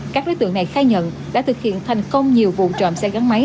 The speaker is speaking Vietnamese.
các đối tượng này khai nhận đã thực hiện thành công nhiều vụ trộm xe gắn máy